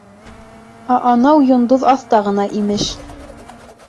А-анау йондоҙ аҫта ғына имеш.